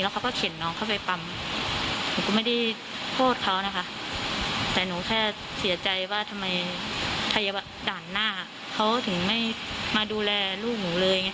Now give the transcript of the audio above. เขาก็พูดว่าวาดไม่ขึ้น